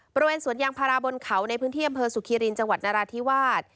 บริเวณสวนยางพาราบนเขาในพื้นที่อำเภอสุขิรินจังหวัดนราธิวาส